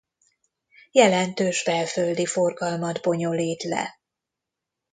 Jelentős belföldi forgalmat bonyolít le.